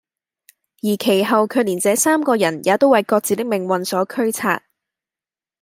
而其後卻連這三個人也都爲各自的運命所驅策，